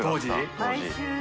当時？